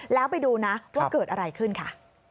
แล้วไปดูนะว่าเกิดอะไรขึ้นค่ะ